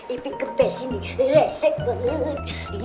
iping kebes ini resek banget